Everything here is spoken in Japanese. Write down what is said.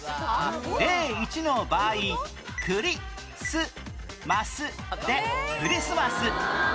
例１の場合「くり」「す」「ます」でクリスマス